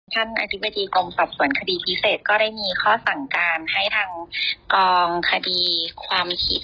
อธิบดีกรมสอบสวนคดีพิเศษก็ได้มีข้อสั่งการให้ทางกองคดีความผิด